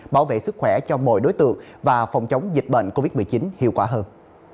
bảo vệ sức khỏe cho mọi đối tượng và phòng chống dịch bệnh covid một mươi chín hiệu quả hơn